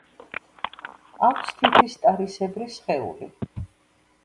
აქვს თითისტარისებრი სხეული.